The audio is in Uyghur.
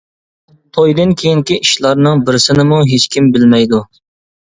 تويدىن كېيىنكى ئىشلارنىڭ بىرسىنىمۇ ھېچكىم بىلمەيدۇ.